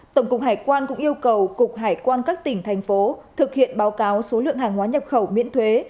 tổng cục hải quan cũng yêu cầu cục hải quan các tỉnh thành phố thực hiện báo cáo số lượng hàng hóa nhập khẩu miễn thuế